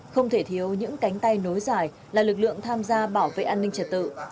không thể thiếu những cánh tay nối dài là lực lượng tham gia bảo vệ an ninh trật tự